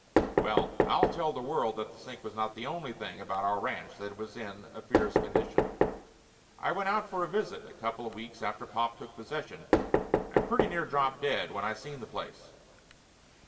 Well, I'll tell the world that the sink was not the only thing about our ranch that was in a fierce condition. I went out for a visit a coupla weeks after pop took possession, and pretty near dropped dead when I seen the place.